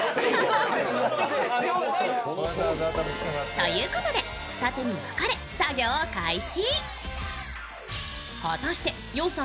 ということで二手に分かれ作業開始。